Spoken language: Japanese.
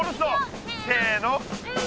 せの。